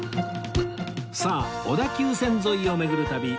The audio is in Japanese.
さあ小田急線沿いを巡る旅